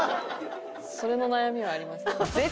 それの悩みはありますね。